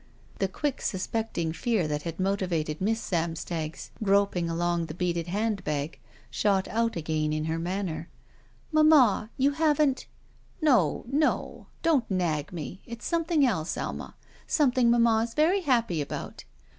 The quick suspecting fear that had motivated Miss Samstag's groping along the beaded hand bag shot out again in her manner. "Mamma — you haven't —?" "No, no! Don't nag me. It's something else, Alma. Something mamma is very happy about."